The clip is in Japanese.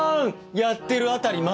やってる辺りまで。